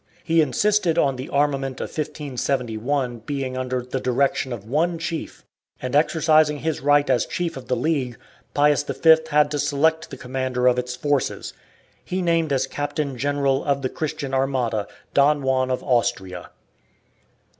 He insisted on the armament of 1571 being under the direction of one chief, and exercising his right as chief of the League, Pius V had to select the commander of its forces; he named as captain general of the Christian armada Don Juan of Austria.